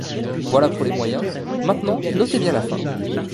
Voilà pour les moyens ; maintenant notez bien la fin.